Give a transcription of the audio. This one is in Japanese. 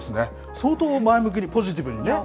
相当、前向きにポジティブにね。